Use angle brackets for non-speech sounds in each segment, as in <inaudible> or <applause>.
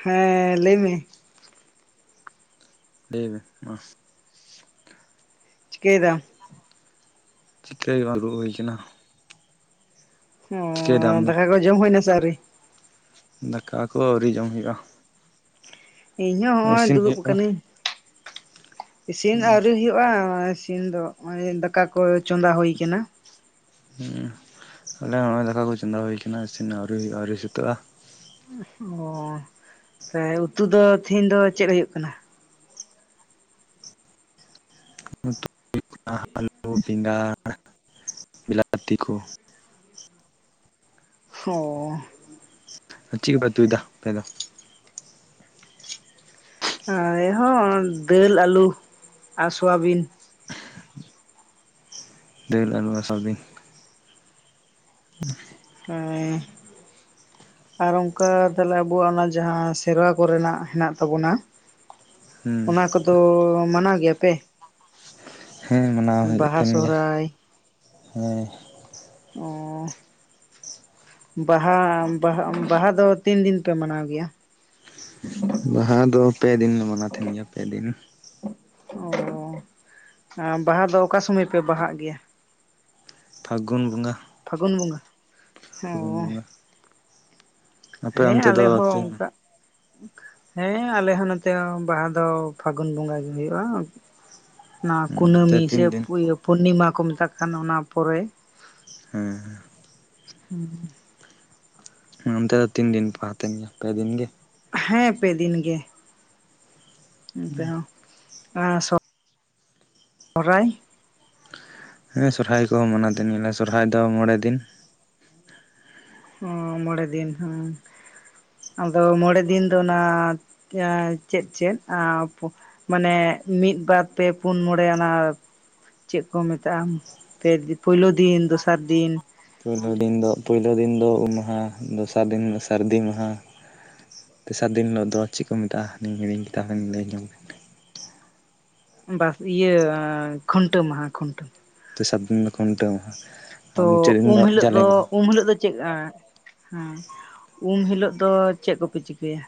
ᱦᱮᱸ ᱞᱟᱹᱭ ᱢᱮ᱾ ᱞᱟᱹᱭ ᱢᱮ ᱢᱟᱜ᱾ ᱪᱤᱠᱟᱹᱭ ᱫᱟᱢ? ᱪᱤᱠᱟᱹ ᱜᱮ ᱵᱟᱝ ᱫᱩᱲᱩᱵ ᱦᱩᱭ ᱠᱟᱱᱟ᱾ ᱪᱤᱠᱟᱹᱭ ᱫᱟᱢ ᱚᱸ ᱫᱚ? ᱫᱟᱠᱟ ᱠᱚ ᱡᱚᱢ ᱦᱩᱭ ᱱᱟᱥᱮ ᱟᱹᱣᱨᱤ? ᱫᱟᱠᱟ ᱠᱚ ᱟᱹᱣᱨᱤ ᱡᱚᱢ ᱦᱩᱭᱩᱜᱼᱟ᱾ ᱤᱧ ᱦᱚᱸ ᱦᱚᱸᱜᱼᱚᱭ ᱤᱥᱤᱱ ᱫᱩᱲᱩᱵ ᱦᱩᱭᱩᱜ ᱠᱟᱱᱟ ᱠᱟᱹᱱᱤᱧ᱾ ᱤᱥᱤᱱ ᱟᱣᱨᱤ ᱦᱩᱭᱩᱜᱼᱟ ᱤᱥᱤᱱ ᱫᱚ ᱱᱚᱜ-ᱚᱭ ᱫᱟᱠᱟ ᱠᱚ ᱪᱚᱸᱫᱟ ᱦᱩᱭ ᱠᱟᱱᱟ᱾ ᱩᱸ ᱟᱞᱮ ᱱᱚᱜ-ᱚᱭ ᱫᱟᱠᱟ ᱠᱚ ᱪᱚᱸᱫᱟ ᱦᱩᱭ ᱠᱟᱱᱟ ᱤᱥᱤᱱ ᱟᱹᱣᱨᱤ ᱦᱩᱭᱩᱜᱼᱟ ᱟᱹᱣᱨᱤ ᱥᱟᱹᱛᱟᱹᱜᱼᱟ᱾ ᱚ ᱛᱟᱦᱮ ᱩᱛᱩ ᱫᱚ ᱛᱤᱦᱤᱧ ᱫᱚ ᱪᱮᱫ ᱦᱩᱭᱩᱜ ᱠᱟᱱᱟ? ᱩᱛᱩ ᱦᱩᱭᱩᱜ ᱠᱟᱱᱟ ᱟᱹᱞᱩ, ᱵᱮᱸᱜᱟᱲ, ᱵᱤᱞᱟᱛᱤ ᱠᱚ, ᱚ᱾ ᱪᱤᱫ ᱠᱚᱯᱮ ᱩᱛᱩᱭ ᱫᱟ ᱟᱯᱮ ᱫᱚ? ᱟᱞᱮᱦᱚᱸ ᱰᱟᱹᱞ, ᱟᱹᱞᱩ ᱟᱨ ᱥᱩᱣᱟᱵᱤᱱ᱾ ᱰᱟᱹᱞ, ᱟᱹᱞᱩ ᱟᱨ ᱥᱚᱣᱟᱵᱤᱱ? <unintelligible> ᱦᱮᱸ᱾ ᱟᱨ ᱚᱝᱠᱟ ᱛᱟᱦᱚᱞᱮ ᱟᱵᱚᱣᱟᱜ ᱚᱱᱟ ᱡᱟᱦᱟᱸ ᱥᱮᱨᱣᱟ ᱠᱚᱨᱮᱱᱟᱜ ᱦᱮᱸᱱᱟᱜ ᱛᱟᱵᱚᱱᱟ᱾ ᱦᱩᱸ ᱚᱱᱟ ᱠᱚᱫᱚ ᱢᱟᱱᱟᱣ ᱜᱮᱭᱟ ᱯᱮ? ᱦᱮᱸ ᱢᱟᱱᱟᱣ ᱦᱩᱭᱩᱜ ᱵᱟᱦᱟ ᱛᱟᱦᱮᱸᱱ ᱜᱮᱭᱟ ᱦᱮᱸ᱾ ᱚᱸ᱾ ᱵᱟᱦᱟ ᱵᱟᱦᱟ ᱵᱟᱦᱟ ᱫᱚ ᱛᱤᱱ ᱫᱤᱱ ᱯᱮ ᱢᱟᱱᱟᱣ ᱜᱮᱭᱟ? ᱵᱟᱦᱟ ᱫᱚ ᱯᱮ ᱫᱤᱱ ᱞᱮ ᱢᱟᱱᱟᱣ ᱛᱟᱦᱮᱸᱱ ᱜᱮᱭᱟ ᱯᱮ ᱫᱤᱱ᱾ ᱚ ᱵᱟᱦᱟ ᱫᱚ ᱚᱠᱟ ᱥᱚᱢᱚᱭ ᱯᱮ ᱵᱟᱦᱟᱜ ᱜᱮᱭᱟ? ᱯᱷᱟᱹᱜᱩᱱ ᱵᱚᱸᱜᱟ᱾ ᱯᱷᱟᱹᱜᱩᱱ ᱵᱚᱸᱜᱟ? ᱯᱷᱟᱹᱜᱩᱱ ᱚ ᱵᱚᱸᱜᱟ, ᱟᱯᱮ ᱚᱱᱛᱮ ᱫᱚ ᱛᱤᱱ <unintelligible> ᱦᱮᱸ ᱟᱞᱮ ᱦᱚᱸ ᱱᱚᱱᱛᱮ ᱦᱚᱸ ᱵᱟᱦᱟ ᱫᱚ ᱯᱷᱟᱹᱜᱩᱱ ᱵᱚᱸᱜᱟ ᱜᱮ ᱦᱩᱭᱩᱜᱼᱟ᱾ ᱚᱱᱟ ᱦᱩᱸ, ᱚᱱᱛᱮ ᱠᱩᱱᱟᱹᱢᱤ ᱛᱤᱱ ᱥᱮ ᱫᱤᱱ? ᱤᱭᱟᱹ ᱯᱩᱨᱱᱤᱢᱟ ᱠᱚ ᱢᱮᱛᱟᱜ ᱠᱟᱱ ᱚᱱᱟ ᱯᱚᱨᱮ᱾ ᱦᱮᱸ ᱦᱮᱸ ᱦᱩᱸ ᱚᱱᱛᱮ ᱫᱚ ᱛᱤᱱ ᱫᱤᱱ ᱯᱮ ᱟᱛᱮᱱᱟ ᱯᱮ ᱫᱤᱱ ᱜᱮ᱾ ᱦᱮᱸ ᱯᱮ ᱫᱤᱱ ᱜᱮ ᱚᱱᱛᱮ ᱦᱚᱸ᱾ ᱮᱸᱻ ᱥᱚᱦᱚᱨᱟᱭ ᱦᱮᱸ ᱥᱚᱨᱦᱟᱭ ᱠᱚ ᱦᱚᱸ ᱢᱟᱱᱟ ᱫᱤᱱ ᱢᱮᱱᱟ ᱥᱚᱨᱦᱟᱭ ᱫᱚ ᱢᱚᱬᱮ ᱫᱤᱱ᱾ ᱚᱸ ᱢᱚᱬᱮ ᱫᱤᱱ ᱦᱮᱸ ᱟᱫᱚ ᱢᱚᱬᱮ ᱫᱤᱱ ᱫᱚ ᱚᱱᱟ ᱪᱮᱫ ᱪᱮᱫ? ᱢᱟᱱᱮ ᱢᱤᱫ ᱵᱟᱨ ᱯᱮ ᱯᱩᱱ ᱢᱚᱬᱮ ᱚᱱᱟ ᱪᱮᱫ ᱠᱚ ᱢᱮᱛᱟᱜᱼᱟ᱾ ᱯᱳᱭᱞᱳ ᱫᱤᱱ, ᱫᱚᱥᱟᱨ ᱫᱤᱱ, ᱯᱳᱭᱞᱳ ᱫᱤᱱ ᱫᱚ ᱯᱳᱭᱞᱳ ᱫᱤᱱ ᱫᱚ ᱩᱢ ᱢᱟᱦᱟ, ᱫᱚᱥᱟᱨ ᱫᱤᱱ ᱫᱚ ᱥᱟᱹᱨᱫᱤ ᱢᱟᱦᱟ᱾ ᱛᱮᱥᱟᱨ ᱫᱤᱱ ᱫᱚ ᱪᱮᱫ ᱠᱚ ᱢᱮᱛᱟᱜᱼᱟ᱾ ᱤᱧ ᱦᱤᱲᱤᱧ ᱠᱮᱫᱟ ᱟᱨᱚᱧ ᱞᱟᱹᱭ ᱞᱮ ᱜᱮ᱾ ᱵᱟᱥ ᱤᱭᱟᱹ ᱠᱷᱩᱱᱴᱟᱹᱣ ᱢᱟᱦᱟᱸ ᱠᱷᱩᱱᱴᱟᱹᱣ ᱛᱮᱥᱟᱨ ᱫᱤᱱ ᱫᱚ ᱠᱷᱩᱱᱴᱟᱹᱣ ᱢᱟᱦᱟ᱾ ᱟᱨ ᱛᱚ ᱢᱩᱪᱟᱹᱫ ᱫᱤᱱ ᱩᱢ ᱦᱤᱞᱳᱜ ᱡᱟᱞᱮ ᱫᱚ ᱢᱟᱦᱟ ᱩᱢ ᱦᱤᱞᱳᱜ ᱫᱚ ᱪᱮᱫ ᱦᱮᱸ ᱩᱢ ᱦᱤᱞᱳᱜ ᱫᱚ ᱪᱮᱫ ᱠᱚ ᱯᱮ ᱪᱤᱠᱟᱹᱭᱟ᱾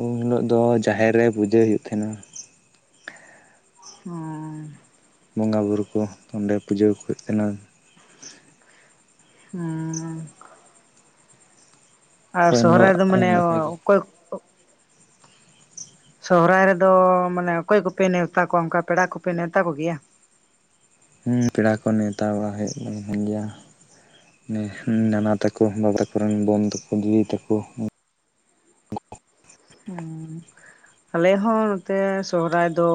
ᱩᱢ ᱦᱤᱞᱚᱜ ᱫᱚ ᱡᱟᱦᱮᱨ ᱨᱮ ᱯᱩᱡᱟᱹᱭ ᱦᱳᱭᱳᱜ ᱛᱟᱦᱮᱸᱱᱟ᱾ ᱦᱩᱸ ᱵᱚᱸᱜᱟ ᱵᱩᱨᱩ ᱠᱚ ᱚᱸᱰᱮ ᱯᱩᱡᱟᱹᱣᱟ ᱠᱚ ᱦᱩᱭᱩᱜ ᱛᱟᱦᱮᱱᱟ᱾ ᱦᱩᱸ ᱟᱨ ᱚᱠᱚᱭ ᱥᱚᱦᱨᱟᱭ ᱫᱚ ᱢᱟᱱᱮ ᱦᱤᱞᱳᱜ ᱜᱮ ᱚᱠᱚᱭ ᱥᱚᱦᱚᱨᱟᱭ ᱨᱮ ᱫᱚ ᱢᱟᱱᱮ ᱚᱠᱚᱭ ᱠᱚᱯᱮ ᱱᱮᱣᱛᱟ ᱠᱚᱣᱟ ᱚᱱᱠᱟ ᱯᱮᱲᱟ ᱠᱚᱯᱮ ᱱᱮᱣᱛᱟ ᱠᱚ ᱜᱮᱭᱟ᱾ ᱦᱩᱸ ᱯᱮᱲᱟ ᱠᱚ ᱱᱮᱣᱛᱟ ᱵᱟᱲᱟ ᱦᱩᱭᱩᱜ ᱜᱮᱭᱟ᱾ ᱱᱟᱱᱟ ᱛᱟᱠᱚ ᱵᱟᱵᱟ ᱛᱟᱠᱚ ᱨᱮᱱ ᱵᱳᱱ ᱛᱟᱠᱚ ᱫᱤᱫᱤ ᱛᱟᱠᱚ ᱦᱩᱸ ᱟᱞᱮ ᱦᱚᱸ ᱱᱚᱛᱮ ᱥᱚᱦᱨᱟᱭ ᱫᱚ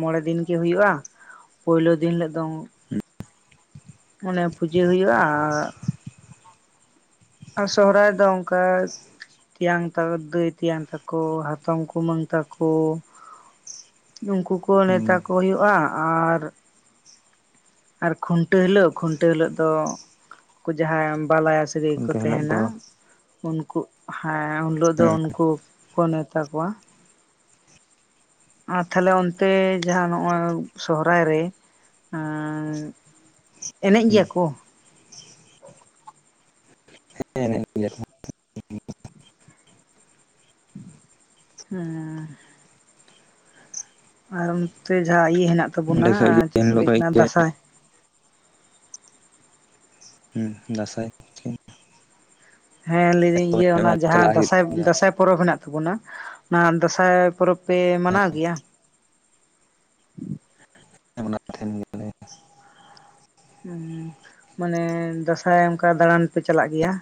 ᱢᱚᱬᱮ ᱫᱤᱱ ᱜᱮ ᱦᱩᱭᱩᱜᱼᱟ᱾ ᱯᱩᱭᱞᱩ ᱫᱤᱱ ᱦᱤᱞᱳᱜ ᱫᱚ ᱢᱟᱱᱮ ᱯᱩᱡᱟᱹ ᱦᱩᱭᱩᱜᱼᱟ ᱟᱨ ᱟᱨ ᱥᱚᱦᱨᱟᱭ ᱫᱚ ᱚᱱᱠᱟ ᱛᱮᱭᱟᱝ ᱛᱟᱠᱚ ᱫᱟᱹᱭ ᱛᱮᱭᱟᱝ ᱛᱟᱠᱚ ᱦᱟᱛᱚᱢ ᱠᱩᱢᱟᱹᱝ ᱛᱟᱠᱚ᱾ ᱩᱱᱠᱩ ᱠᱚ ᱱᱮᱣᱛᱟ ᱦᱩᱸ ᱠᱚ ᱦᱩᱭᱩᱜᱼᱟ ᱟᱨ ᱟᱨ ᱠᱷᱩᱱᱴᱟᱹᱣ ᱦᱤᱞᱳ ᱠᱷᱩᱱᱴᱟᱹᱣ ᱦᱤᱞᱳ ᱫᱚ ᱡᱟᱦᱟᱸᱭ ᱵᱟᱞᱟᱭᱟ ᱥᱟᱹᱜᱟᱹᱭ ᱠᱚ ᱚᱱᱠᱟ ᱦᱤᱞᱳᱜ ᱛᱟᱦᱮᱱᱟ ᱫᱚ ᱩᱱᱠᱩ ᱦᱮᱸ ᱩᱱ ᱦᱤᱞᱳ ᱫᱚ ᱦᱮᱸ ᱩᱱᱠᱩ ᱠᱚ ᱱᱮᱛᱟ ᱠᱚᱣᱟ ᱟᱨ ᱛᱟᱦᱚᱞᱮ ᱚᱱᱛᱮ ᱡᱟᱦᱟᱸ ᱱᱚᱜ-ᱚᱭ ᱥᱚᱦᱨᱟᱭ ᱨᱮ ᱮᱱᱮᱡ ᱜᱮᱭᱟ ᱠᱚ ᱦᱮᱸ ᱮᱱᱮᱡ ᱜᱮᱭᱟ ᱠᱚ ᱦᱩᱸ ᱟᱨ ᱱᱚᱛᱮ ᱡᱟᱦᱟᱸ ᱤᱭᱟᱹ ᱦᱮᱱᱟᱜ ᱚᱸᱰᱮ ᱛᱟᱵᱚᱱᱟ ᱠᱷᱚᱡ ᱜᱮ ᱪᱮᱫ ᱮᱱ ᱠᱚ ᱦᱤᱞᱳᱜ ᱞᱟᱹᱭ ᱠᱷᱚᱡ ᱠᱟᱱᱟ ᱜᱮ ᱫᱟᱸᱥᱟᱭ ᱦᱩᱸ ᱫᱟᱸᱥᱟᱭ ᱦᱮᱸ ᱞᱟᱹᱭᱫᱟᱹᱧ ᱛᱚ ᱤᱭᱟᱹ ᱚᱱᱟ ᱮᱢᱟ ᱡᱟᱦᱟᱸ ᱪᱟᱞᱟᱜ ᱦᱩᱭᱩᱜ ᱫᱟᱸᱥᱟᱭ ᱜᱮᱭᱟ ᱫᱟᱸᱥᱟᱭ ᱯᱚᱨᱚᱵᱽ ᱦᱮᱱᱟᱜ ᱛᱟᱵᱚᱱᱟ ᱚᱱᱟ ᱫᱟᱸᱥᱟᱭ ᱯᱚᱨᱚᱵᱽ ᱯᱮ ᱢᱟᱱᱟᱣ ᱦᱮᱸ ᱜᱮᱭᱟ ᱦᱮ ᱢᱟᱱᱟᱣ ᱛᱟᱦᱮᱱ ᱜᱮᱭᱟᱞᱮ ᱢᱟᱱᱮ ᱫᱟᱸᱥᱟᱭ ᱚᱱᱠᱟ ᱫᱟᱬᱟᱱ ᱯᱮ ᱪᱟᱞᱟᱜ ᱜᱮᱭᱟ᱾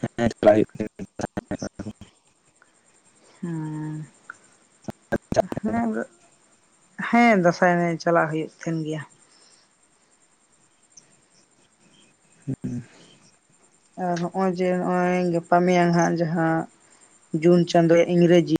ᱦᱮᱸ ᱪᱟᱞᱟᱜ ᱦᱩᱭᱩᱜ ᱜᱮᱭᱟ᱾ ᱦᱩᱸᱻ ᱦᱮᱸ ᱦᱮᱸ ᱫᱟᱸᱥᱟᱭ ᱮᱱᱮᱡ ᱪᱟᱞᱟᱜ ᱦᱩᱭᱩᱜ ᱛᱟᱦᱮᱱ ᱜᱮᱭᱟ᱾ ᱦᱮᱸ ᱟᱨ ᱱᱚᱜ-ᱚᱭ ᱡᱮ ᱱᱚᱜ-ᱚᱭ ᱜᱟᱯᱟ ᱢᱮᱭᱟᱝ ᱦᱟᱸᱜ ᱡᱟᱦᱟᱸ ᱡᱩᱱ ᱪᱟᱸᱫᱳ ᱤᱝᱨᱮᱡᱤᱼᱼ